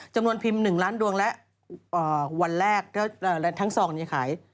จำนวนพิมพ์๑ล้านดวงและวันแรกทั้งซองเนี่ยขาย